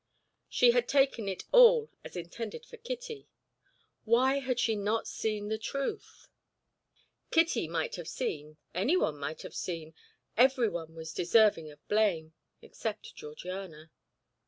She had taken it all as intended for Kitty; why had they not seen the truth? Kitty might have seen, everyone might have seen, everyone was deserving of blame, except Georgiana.